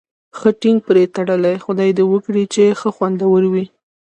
ښه ټینګ پرې تړلی، خدای دې وکړي چې ښه خوندور وي.